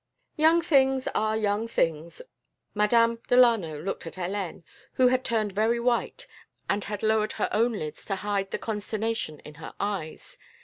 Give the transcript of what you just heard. "Young things are young things." Madame Delano looked at Hélène, who had turned very white and had lowered her own lids to hide the consternation in her eyes.